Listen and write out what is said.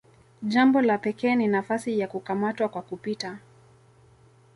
Jambo la pekee ni nafasi ya "kukamata kwa kupita".